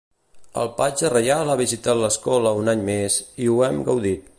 El patge reial ha visitat l'escola un any més i ho hem gaudit.